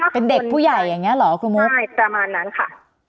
เป็นเด็กผู้ใหญ่อย่างนี้เหรอครูมุ้ยประมาณนั้นค่ะ